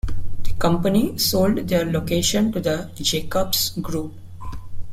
The company sold their location to the Jacobs Group.